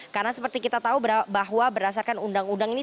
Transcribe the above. karena seperti kita tahu bahwa berdasarkan undang undang ini